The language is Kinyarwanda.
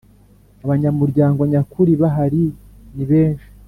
abanyamuryango nyakuri bahari nibenshi